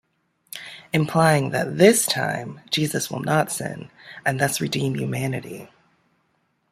Implying that this time Jesus will not sin, and thus redeem humanity.